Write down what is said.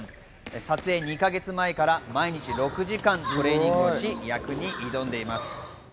撮影２か月前から毎日６時間トレーニングをし、役に挑んでいます。